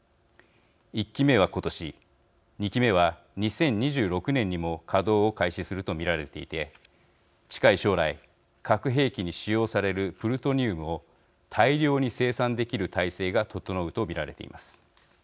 １基目は、ことし２基目は、２０２６年にも稼働を開始すると見られていて近い将来、核兵器に使用されるプルトニウムを大量に生産できる態勢が整うと見られています。